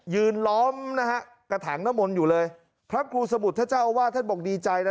ยืนล้อมนะฮะกระถางน้ำมนต์อยู่เลยครับครูสมุดท่าเจ้าว่าท่านบอกดีใจนะ